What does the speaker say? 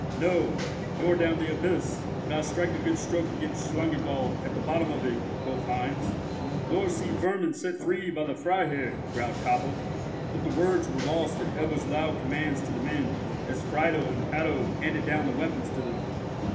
"No; nor down the abyss, could I strike a good stroke against Schlangenwald at the bottom of it," quoth Heinz. "Nor see vermin set free by the Freiherr," growled Koppel; but the words were lost in Ebbo's loud commands to the men, as Friedel and Hatto handed down the weapons to them.